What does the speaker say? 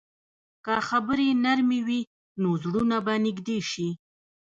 که خبرې نرمې وي، نو زړونه به نږدې شي.